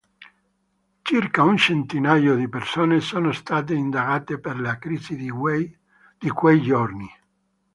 Circa un centinaio di persone sono state indagate per la crisi di quei giorni.